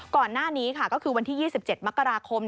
ก่อนหน้านี้ค่ะก็คือวันที่๒๗มกราคม